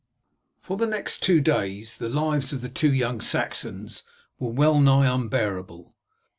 For the next two days the lives of the two young Saxons were well nigh unbearable.